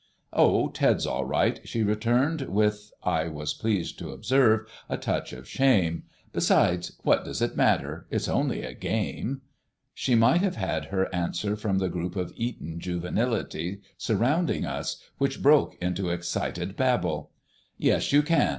"Oh, Ted's all right," she returned with, I was pleased to observe, a touch of shame; "besides, what does it matter? It's only a game." She might have had her answer from the group of Eton juvenility surrounding us, which broke into excited babble. "Yes, you can."